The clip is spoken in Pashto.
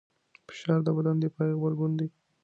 فشار د بدن دفاعي غبرګون دی.